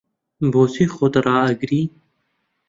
بۆچی خۆت ڕائەگری؟